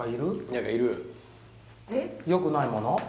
よくないもの？